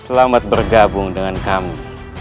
selamat bergabung dengan kami